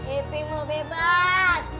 ipi mau bebas